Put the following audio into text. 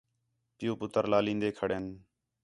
پِیؤ پُتر لالین٘دے کھڑِن